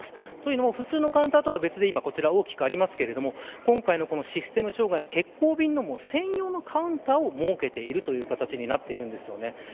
というのも普通のカウンターとは別でこちら、大きくありますが今回のシステム障害欠航便の専用のカウンターを設けているという形になっています。